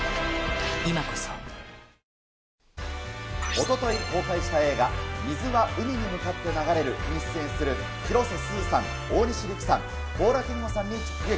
おととい公開した映画、水は海に向かって流れるに出演する広瀬すずさん、大西利空さん、高良健吾さんに直撃。